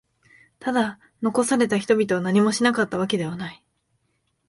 ただ、残された人々は何もしなかったわけではない。